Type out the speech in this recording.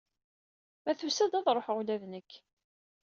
Ma tusa-d, ad ruḥeɣ ula d nekk.